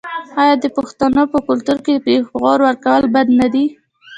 آیا د پښتنو په کلتور کې د پیغور ورکول بد نه دي؟